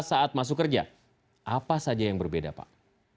saat masuk kerja apa saja yang berbeda pak